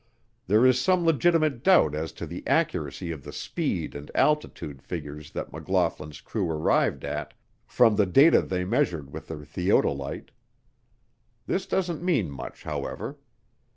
There is some legitimate doubt as to the accuracy of the speed and altitude figures that McLaughlin's crew arrived at from the data they measured with their theodolite. This doesn't mean much, however.